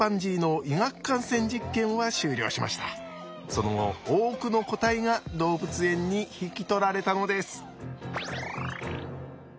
その後多くの個体が動物園に引き取られたのです。